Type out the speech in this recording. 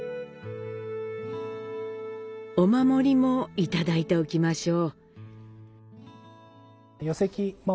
お守りもいただいておきましょう。